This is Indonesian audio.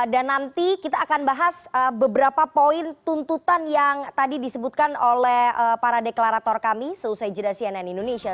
dan nanti kita akan bahas beberapa poin tuntutan yang tadi disebutkan oleh para deklarator kami selesai jelasin cnn indonesia